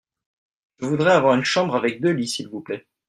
Je voudrais avoir une chambre avec deux lits s’il vous plait.